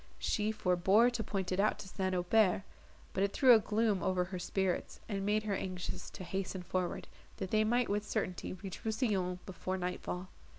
She forbore to point it out to St. Aubert, but it threw a gloom over her spirits, and made her anxious to hasten forward, that they might with certainty reach Rousillon before night fall.